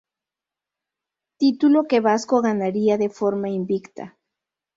Título que Vasco ganaría de forma Invicta.